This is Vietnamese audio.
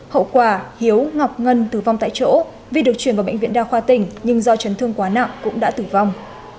hậu quả hiếu ngọc ngân tử vong tại chỗ vì được chuyển vào bệnh viện đa khoa tỉnh nhưng do chấn thương quá nặng cũng đã tử vong